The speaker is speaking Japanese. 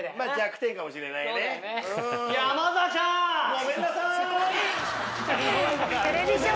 ごめんなさい！